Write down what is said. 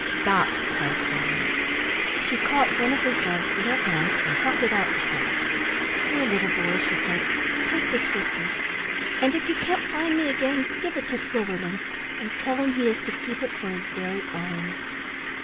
oh, stop!" cried Starlein. She caught one of her doves in her hands and held it out to Teddy. "Here, little boy," she said; "take this with you, and if you can't find me again, give it to Silverling and tell him he is to keep it for his very own."